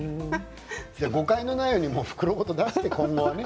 誤解のないようにもう袋ごと出して、今後はね。